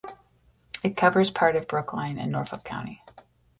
It covers part of Brookline in Norfolk County.